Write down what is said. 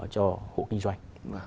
hỗ trợ cho hộ kinh doanh